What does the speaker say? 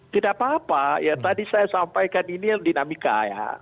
tidak apa apa ya tadi saya sampaikan ini yang dinamika ya